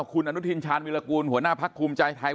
คุณอนุทินชาญวิรากูลหัวหน้าพักภูมิใจไทย